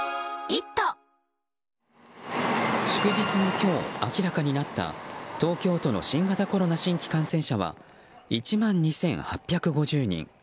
祝日の今日、明らかになった東京都の新型コロナ新規感染者は１万２８５０人。